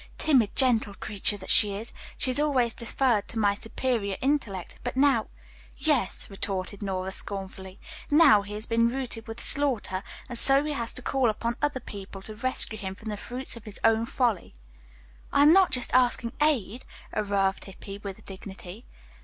Timid, gentle creature that she is, she has always deferred to my superior intellect, but now " "Yes," retorted Nora scornfully, "now, he has been routed with slaughter, and so he has to call upon other people to rescue him from the fruits of his own folly." "I am not asking aid," averred Hippy with dignity.